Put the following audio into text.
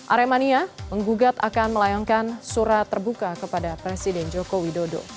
aremania menggugat akan melayangkan surat terbuka kepada presiden joko widodo